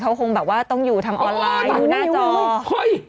เขาคงแบบว่าต้องอยู่ทางออนไลน์อยู่หน้าจอ